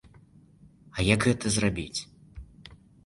А як гэта зрабіць?